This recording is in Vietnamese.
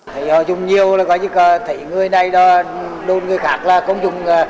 thầy họ dùng nhiều có những thầy người này đôn người khác là không dùng